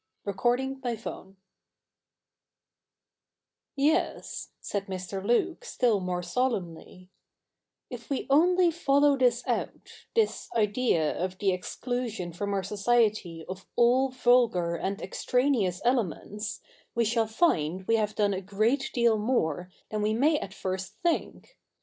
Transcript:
BOOK III CHAPTER I 'Yes,' said Mr. Luke still more solemnly, 'if we only follow this out — this idea of the exclusion from our society of all vulgar and extraneous elements, we shall find we have done a great deal more than we may at first think.